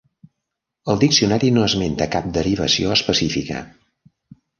El diccionari no esmenta cap derivació específica.